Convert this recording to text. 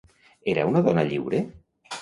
Era una dona lliure?